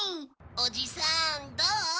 おじさんどう？